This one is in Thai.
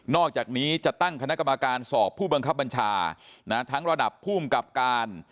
อกจากนี้จะตั้งคณะกรรมการสอบผู้บังคับบัญชาทั้งระดับภูมิกับการ